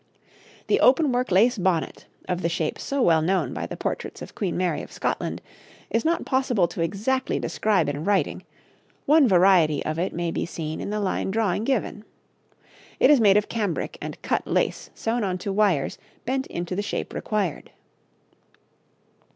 The openwork lace bonnet, of the shape so well known by the portraits of Queen Mary of Scotland, is not possible to exactly describe in writing; one variety of it may be seen in the line drawing given. It is made of cambric and cut lace sewn on to wires bent into the shape required.